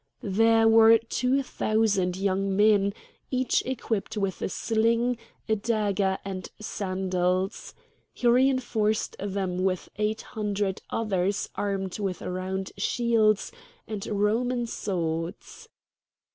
There were two thousand young men, each equipped with a sling, a dagger, and sandals. He reinforced them with eight hundred others armed with round shields and Roman swords.